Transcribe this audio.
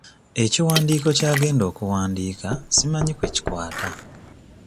Ekiwandiiko ky'agenda okuwandiika simanyi kwe kikwata.